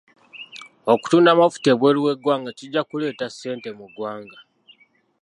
Okutunda amafuta ebweru w'eggwanga kijja kuleeta ssente mu ggwanga.